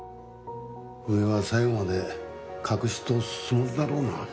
上は最後まで隠し通すつもりだろうな。